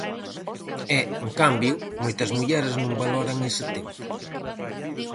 E, en cambio, moitas mulleres non valoran ese tempo.